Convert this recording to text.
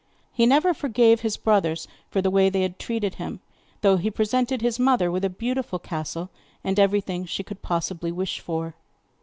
He never forgave his brothers for the way they had treated him, though he presented his mother with a beautiful castle, and everything she could possibly wish for.